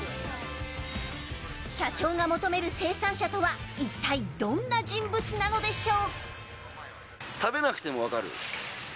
社長が求める生産者とはいったいどんな人物なのでしょう。